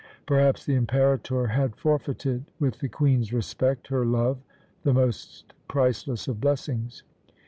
Perhaps the Imperator had forfeited, with the Queen's respect, her love the most priceless of blessings.